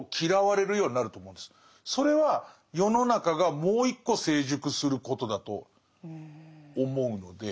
それは世の中がもう一個成熟することだと思うので。